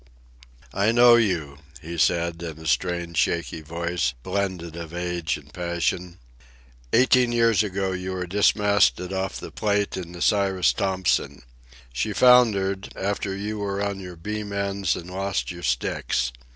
"I know you," he said, in a strange, shaky voice, blended of age and passion. "Eighteen years ago you were dismasted off the Plate in the Cyrus Thompson. She foundered, after you were on your beam ends and lost your sticks.